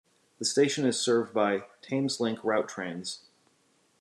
The station is served by Thameslink route trains.